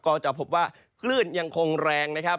ก็จะพบว่าคลื่นยังคงแรงนะครับ